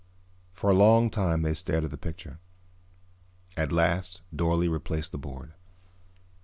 For a long time they stared at the picture. At last Dorle replaced the board.